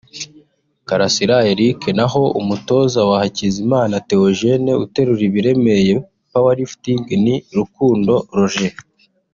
Karasira Eric naho umutoza wa Hakizimana Théogène uterura ibiremereye (power lifting) ni Rukundo Roger